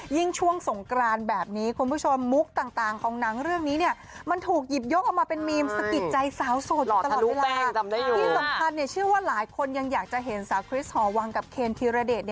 ที่สำคัญชื่อว่าหลายคนยังอยากจะเห็นสาวคริสท์ฮอร์วังกับเครนธิราเดช